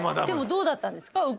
でもどうだったんですか？